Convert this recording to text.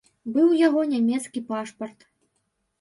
Быў у яго нямецкі пашпарт.